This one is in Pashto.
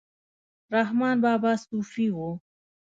رحمان بابا صوفي و